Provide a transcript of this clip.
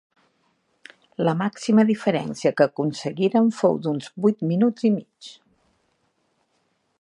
La màxima diferència que aconseguiren fou d'uns vuit minuts i mig.